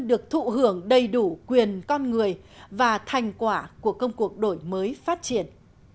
được thụ hưởng đầy đủ quyền con người và thành quả của công cuộc đổi mới phát triển